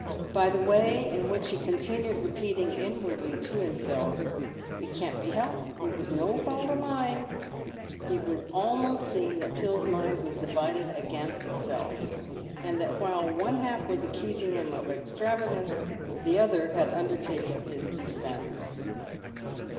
By the way in which he continued repeating inwardly to himself, " It can't be helped, it was no fault of mine," it would almost seem that Phil's mind was divided against itself, and that while one half was accusing him of extrava gance, the other had undertaken his defence.